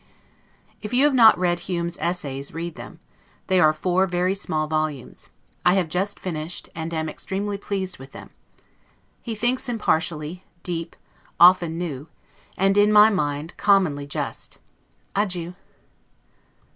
If you have not read Hume's "Essays" read them; they are four very small volumes; I have just finished, and am extremely pleased with them. He thinks impartially, deep, often new; and, in my mind, commonly just. Adieu.